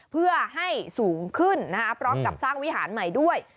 เพื่อให้สูงขึ้นพร้อมกับสร้างวิหารใหม่ด้วย